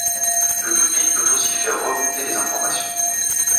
Le public peut aussi faire remonter des informations.